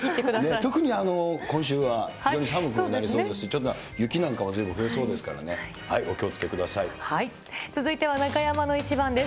特に今週は非常に寒くなりそうですし、ちょっと雪なんかもずいぶん降りそうですからね、お気をつけくだ続いては中山のイチバンです。